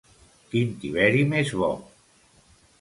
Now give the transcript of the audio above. Quin tiberi més bo